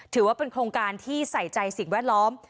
ถือว่าเป็นโครงการที่ใส่ใจสิ่งแวดล้อม